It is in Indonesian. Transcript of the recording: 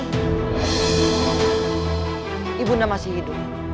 ibunda masih hidup